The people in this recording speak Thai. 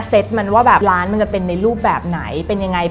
มันว่าแบบร้านมันจะเป็นในรูปแบบไหนเป็นยังไง